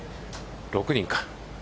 ６人か。